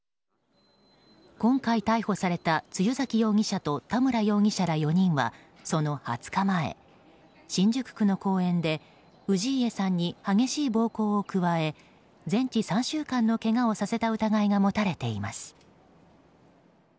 今回、逮捕された露崎容疑者と田村容疑者ら４人はその２０日前、新宿区の公園で氏家さんに激しい暴行を加え全治３週間のけがをさせた疑いが持たれています。